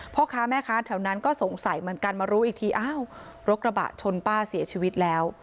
พ่อค้าแม่ค้าแถวนั้นก็สงสัยเหมือนกันมารู้อีกทีอ้าวรถกระบะชนป้าเสียชีวิตแล้ว